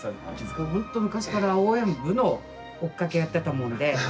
昔から応援部の追っかけやってたもんで。